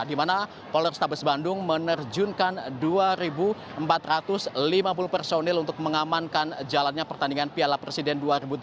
di mana polrestabes bandung menerjunkan dua empat ratus lima puluh personil untuk mengamankan jalannya pertandingan piala presiden dua ribu delapan belas